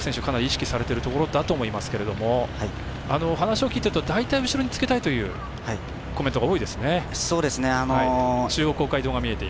かなり意識されてるところだと思いますけど話を聞いてると大体、後ろにつけたいというコメントが多いですね。